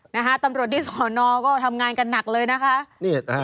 นะฮะตำรวจที่สอนอก็ทำงานกันหนักเลยนะคะนี่นะฮะ